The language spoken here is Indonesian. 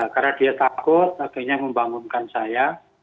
karena dia takut akhirnya membangunkan saya